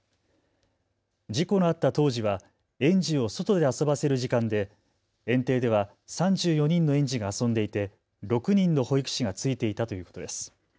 事故のあった当時は園児を外で遊ばせる時間で園庭では３４人の園児が遊んでいて６人の保育士がついていたということです。